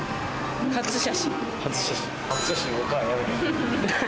初写真。